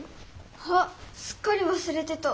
あっすっかりわすれてた。